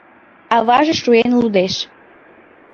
Аваже шуэн лудеш.